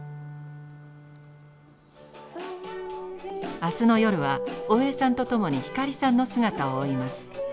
明日の夜は大江さんと共に光さんの姿を追います。